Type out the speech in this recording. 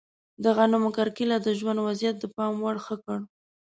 د غنمو کرکیله د ژوند وضعیت د پام وړ ښه کړ.